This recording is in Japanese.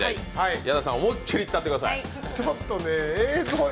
矢田さん、思いっきりやったってください。